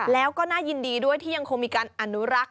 แล้วก็น่ายินดีด้วยที่ยังคงมีการอนุรักษ์